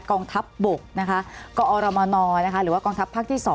กองทัพบกอรมนหรือว่ากองทัพภาคที่๒